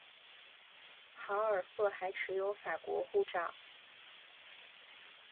豪尔赫还持有法国护照。